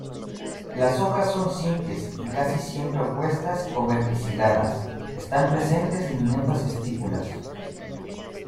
Las hojas son simples y casi siempre opuestas o verticiladas, están presentes diminutas estípulas.